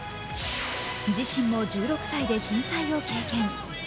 自身も１６歳で震災を経験。